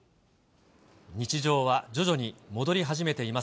日常は徐々に戻り始めていま